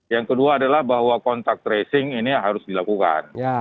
yang kedua adalah bahwa kontak tracing ini harus dilakukan